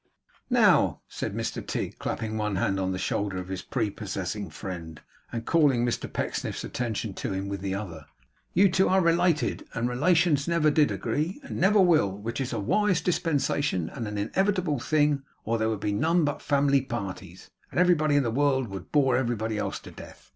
'Now,' said Mr Tigg, clapping one hand on the shoulder of his prepossessing friend, and calling Mr Pecksniff's attention to him with the other, 'you two are related; and relations never did agree, and never will; which is a wise dispensation and an inevitable thing, or there would be none but family parties, and everybody in the world would bore everybody else to death.